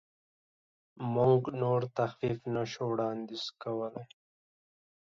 موږ نور تخفیف نشو وړاندیز کولی.